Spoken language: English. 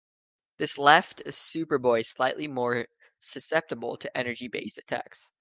This left Superboy slightly more susceptible to energy-based attacks.